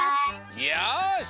よし！